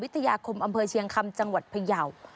ทยาคมอำเภอเชียงคำจังหวัดพยาว